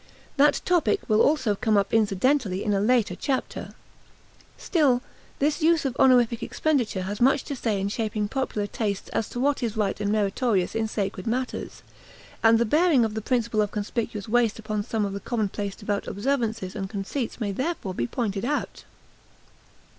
That topic will also come up incidentally in a later chapter. Still, this usage of honorific expenditure has much to say in shaping popular tastes as to what is right and meritorious in sacred matters, and the bearing of the principle of conspicuous waste upon some of the commonplace devout observances and conceits may therefore be pointed out.